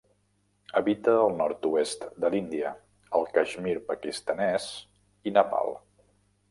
Habita al nord-oest de l'Índia, el Caixmir pakistanès i Nepal.